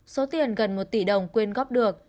số tiền gần một tỷ đồng quên góp được